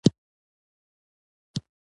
دواړه لوري یې د جغرافیوي حریم نقض توجیه کړي.